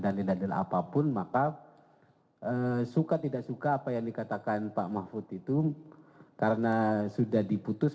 apapun maka suka tidak suka apa yang dikatakan pak mahfud itu karena sudah diputus